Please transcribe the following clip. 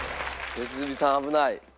良純さん危ない。